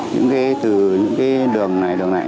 những cái từ những cái đường này đường này